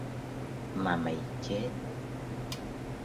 Mà mày chết